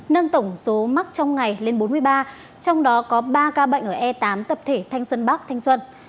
nâng tổng số mắc trong ngày lên bốn mươi ba trong đó có ba ca bệnh ở e tám tập thể thanh xuân bắc thanh xuân